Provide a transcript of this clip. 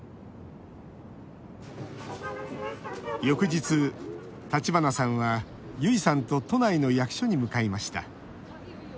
翌日、橘さんは、ゆいさんと都内の役所に向かいました。